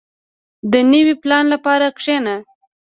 • د نوي پلان لپاره کښېنه.